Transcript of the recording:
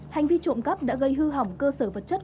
hành vi trộm cắp đã gây hư hỏng cơ sở vật chất